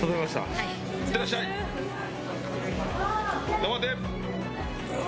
頑張って！